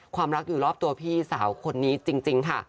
ความรักอยู่รอบตัวพี่สาวคนนี้จริงค่ะ